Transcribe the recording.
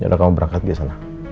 ya udah kamu berangkat ke sana